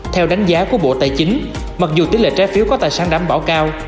theo đánh giá của bộ tài chính mặc dù tỷ lệ trái phiếu có tài sản đảm bảo cao